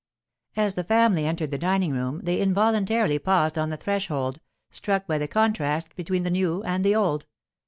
As the family entered the dining room they involuntarily paused on the threshold, struck by the contrast between the new and the old.